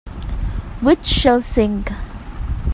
Which shall sing?